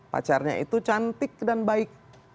pacarnya itu cantik dan baik